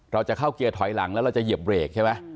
เราจะเข้าเกียร์ถอยหลังแล้วเราจะเหยียบเบรกใช่ไหม